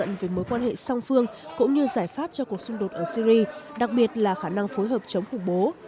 nga đã thảo luận về mối quan hệ song phương cũng như giải pháp cho cuộc xung đột ở syri đặc biệt là khả năng phối hợp chống khủng bố